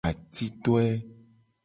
Atitoe.